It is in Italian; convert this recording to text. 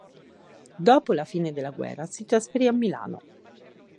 Dopo la fine della guerra si trasferì a Milano.